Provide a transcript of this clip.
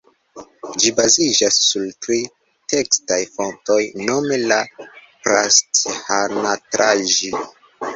Ĝi baziĝas sur tri tekstaj fontoj nome la "Prasthanatraĝi".